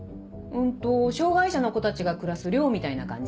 んと障がい者の子たちが暮らす寮みたいな感じ？